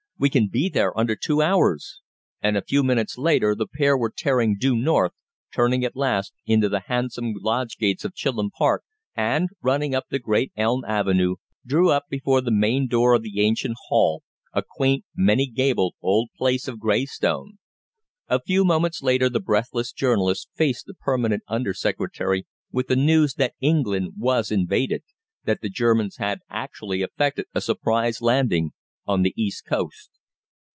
We can be there under two hours!" And a few minutes later the pair were tearing due north, turning at last into the handsome lodge gates of Chilham Park, and running up the great elm avenue, drew up before the main door of the ancient hall, a quaint many gabled old place of grey stone. A few moments later the breathless journalist faced the Permanent Under Secretary with the news that England was invaded that the Germans had actually effected a surprise landing on the east coast.